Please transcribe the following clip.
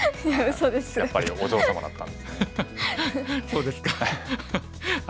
そうですか。